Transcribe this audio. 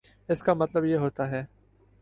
اس کا مطلب یہ ہوتا ہے